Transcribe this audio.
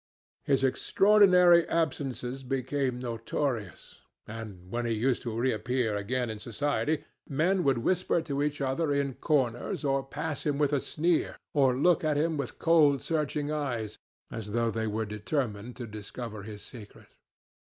His extraordinary absences became notorious, and, when he used to reappear again in society, men would whisper to each other in corners, or pass him with a sneer, or look at him with cold searching eyes, as though they were determined to discover his secret.